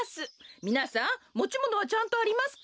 みなさんもちものはちゃんとありますか？